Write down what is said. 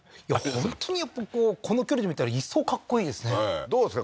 本当にやっぱこうこの距離で見たら一層かっこいいですねどうですか？